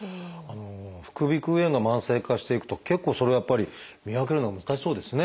副鼻腔炎が慢性化していくと結構それやっぱり見分けるのが難しそうですね。